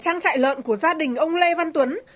trang trại nuôi lợn của gia đình lê văn tuấn